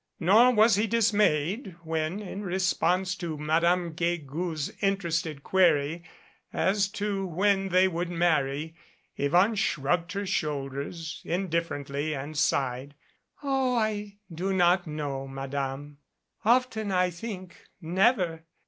Nor was he dismayed when, in response to Madame Guegou's interested query as to when they would marry, Yvonne shrugged her shoul ders indifferently and sighed. "Oh, I do not know, Madame. Often I think never.